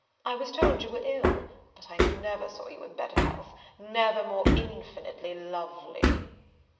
I was told you were ill; but I never saw you in better health, never more infinitely lovely!"